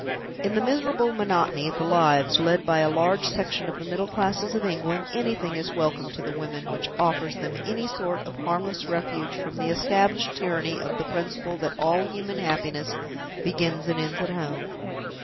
In the miserable monotony of the lives led by a large section of the middle classes of England, anything is welcome to the women which offers them any sort of harmless refuge from the established tyranny of the principle that all human happiness begins and ends at home.